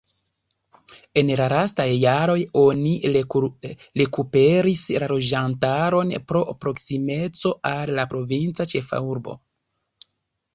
En la lastaj jaroj oni rekuperis loĝantaron pro proksimeco al la provinca ĉefurbo.